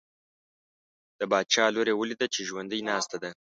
د باچا لور یې ولیده چې ژوندی ناسته ده.